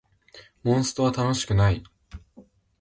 モンストは楽しくない